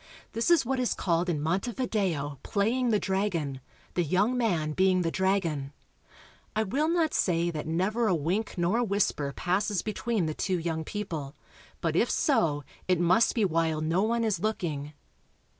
This is what is called in Montevideo ''playing the dragon," the young man being the dragon. I will not say that never a wink nor a whisper passes between the two young people, but if so it must be while no one is looking.